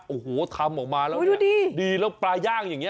โอ้โหทำออกมาแล้วดีแล้วปลาย่างอย่างนี้